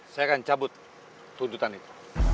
saya akan cabut tuntutan itu